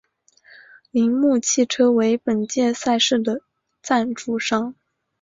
铃木汽车为本届赛事的赞助商。